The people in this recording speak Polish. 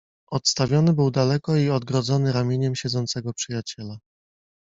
odstawiony był daleko i odgrodzony ramieniem siedzącego przyjaciela.